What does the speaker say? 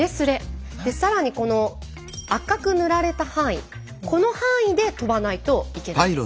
で更にこの赤く塗られた範囲この範囲で飛ばないといけないんです。